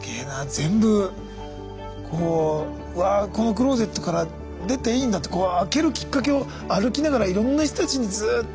全部こうわあこのクローゼットから出ていいんだって開けるきっかけを歩きながらいろんな人たちにずっと。